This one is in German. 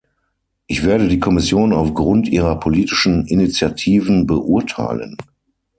Ich werde die Kommission auf Grund ihrer politischen Initiativen beurteilen.